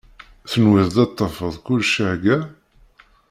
Tenwiḍ ad d-tafeḍ kullec ihegga?